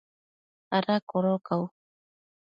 ¿ ada codocau?